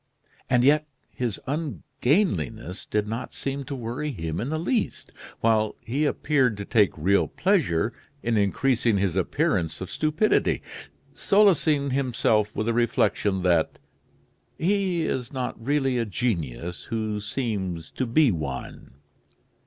And yet his ungainliness did not seem to worry him in the least, while he appeared to take real pleasure in increasing his appearance of stupidity, solacing himself with the reflection that "he is not really a genius who seems to be one."